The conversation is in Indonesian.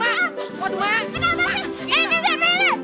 eh enggak enggak enggak